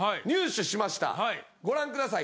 ご覧ください